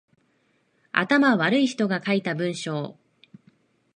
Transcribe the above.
頭悪い人が書いた文章